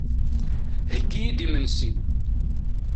Heggi-iyi-d imensi.